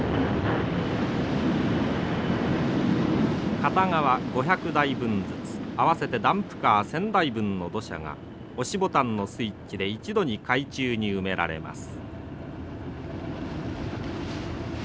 片側５００台分ずつ合わせてダンプカー１，０００台分の土砂が押しボタンのスイッチで一度に海中に埋められます。